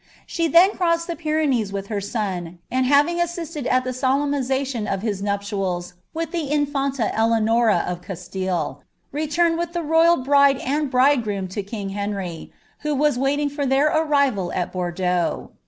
She then crossed the Pyrenees with her son, ■nd having assisted at the solemnization of his nitpUals with the in&nti Eteanora of Caslille, relumed with tlie royal bride sod bridegroom K king Henry, who was waiting for their arrival at Bordeaui.